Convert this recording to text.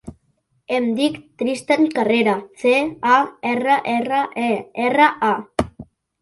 Em dic Tristan Carrera: ce, a, erra, erra, e, erra, a.